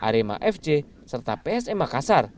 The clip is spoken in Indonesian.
arema fc serta psm makassar